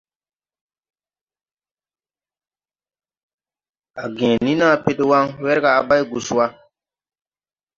A gęę ni naabe dè wan, wɛrga à bày gus wa.